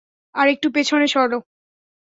আরেকটু পেছনে সরো।